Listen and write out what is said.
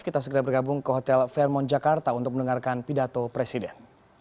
kita segera bergabung ke hotel fairmont jakarta untuk mendengarkan pidato presiden